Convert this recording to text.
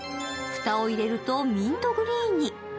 蓋を入れるとミントグリーンに。